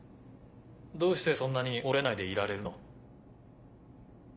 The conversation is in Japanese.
どうしてそんなに折れないでいられるの？